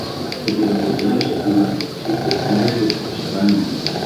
kugira ngo dufashe abantu bafite ibibazo kurusha abandi